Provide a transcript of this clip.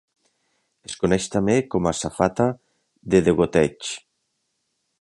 Es coneix també com a safata de degoteig.